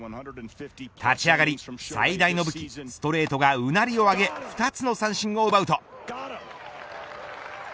立ち上がり最大の武器ストレートが唸りを上げ２つの三振を奪うと。